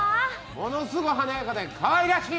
ものすごい華やかでかわいらしい！